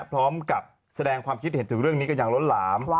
พร้อมกับแสดงความคิดเห็นถึงเรื่องนี้กันอย่างล้นหลาม